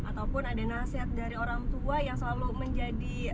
ataupun ada nasihat dari orang tua yang selalu menjadi